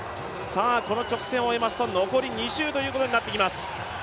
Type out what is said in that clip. この直線を終えますと、残り２周になってきます。